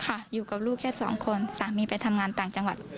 อยู่กับลูกแค่สองคนสามีไปทำงานต่างจังหวัด